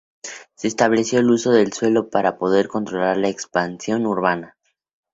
Se estableció el uso del suelo para poder controlar la expansión urbana.